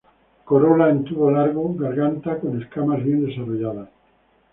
Corola en tubo largo, garganta con escamas bien desarrolladas.